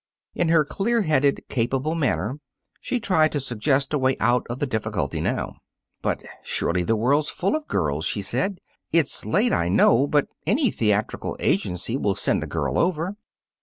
In her clear headed, capable manner, she tried to suggest a way out of the difficulty now. "But surely the world's full of girls," she said. "It's late, I know; but any theatrical agency will send a girl over."